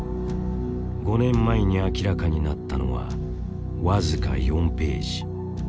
５年前に明らかになったのは僅か４ページ。